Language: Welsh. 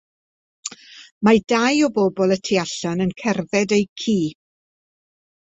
Mae dau o bobl y tu allan yn cerdded eu ci.